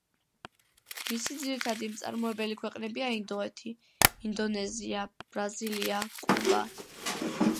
მისი ძირითადი მწარმოებელი ქვეყნებია ინდოეთი, ინდონეზია, ბრაზილია, კუბა.